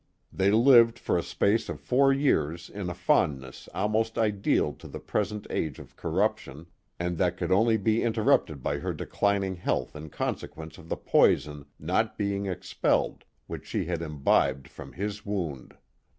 They lived for a space of four years in a fondness almost ideal to the present age of corrup tion, and that could only be interrupted by her declining healih in consequence of the poison not being expelled which she had imbibed from his wound.